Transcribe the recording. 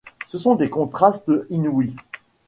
Ce sont des contrastes inouïs.